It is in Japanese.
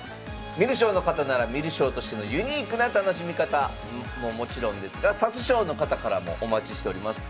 観る将の方なら観る将としてのユニークな楽しみ方ももちろんですが指す将の方からもお待ちしております。